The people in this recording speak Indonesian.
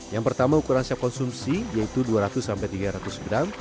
yang pertama ukuran siap konsumsi yaitu dua ratus tiga ratus gram